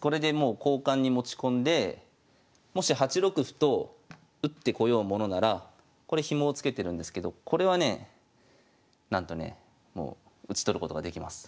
これでもう交換に持ち込んでもし８六歩と打ってこようものならこれヒモをつけてるんですけどこれはねえなんとねえもう打ち取ることができます